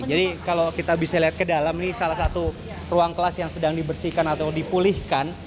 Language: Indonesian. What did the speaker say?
jadi kalau kita bisa lihat ke dalam ini salah satu ruang kelas yang sedang dibersihkan atau dipulihkan